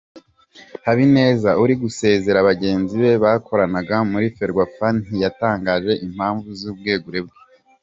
Habineza uri gusezera bagenzi be bakoranaga muri Ferwafa ntiyatangaje impamvu z’ubwegure bwe.